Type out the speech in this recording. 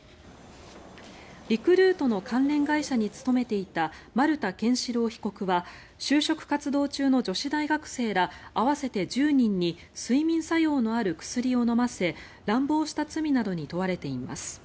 リクルートの関連会社に勤めていた丸田憲司朗被告は就職活動中の女子大学生ら合わせて１０人に睡眠作用のある薬を飲ませ乱暴した罪などに問われています。